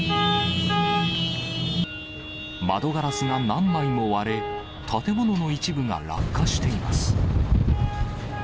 窓ガラスが何枚も割れ、建物の一部が落下しています。